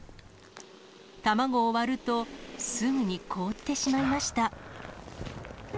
卵を割ると、すぐに凍ってしまいました。